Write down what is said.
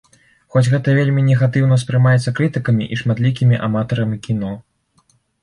Хоць гэта вельмі негатыўна ўспрымаецца крытыкамі і шматлікімі аматарамі кіно.